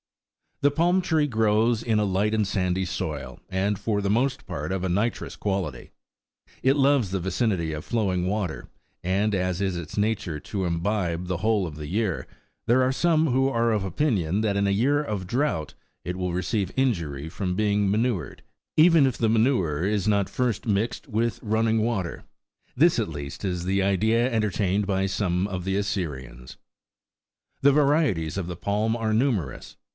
The palm tree grows in a light and sandy soil, and for the most part of a nitrous quality. It loves the vicinity of flowing water ; and as it is its nature to imbibe the whole of the year, there are some who are of opinion that in a year of drought it will receive injury from being manured even, if the manure is not first mixed with running water : this, at least, is the idea entertained by some of the Assyrians. The varieties of the palm are numerous.